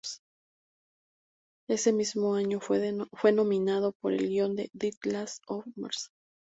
Ese mismo año fue nominado por el guion de "The Last of Mrs.